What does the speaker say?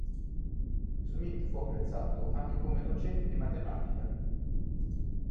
Smith fu apprezzato anche come docente di matematica.